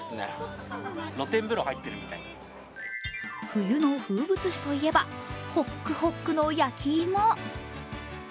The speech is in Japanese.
冬の風物詩といえば、ほっくほっくの焼き芋。